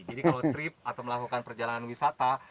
jadi kalau trip atau melakukan perjalanan wisata